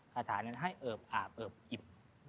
คาถานั้นให้เอิบอาบเอิบอิ่ม